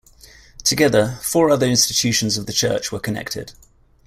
Together, four other institutions of the Church were connected.